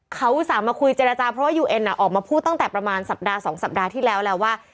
เขาอุตส่าห์มาคุยเจรจาเพราะว่ายูเอ็นออกมาพูดตั้งแต่ประมาณสัปดาห์๒สัปดาห์ที่แล้วแล้วว่า